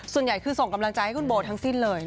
ส่วนใหญ่คือส่งกำลังใจให้คุณโบทั้งสิ้นเลย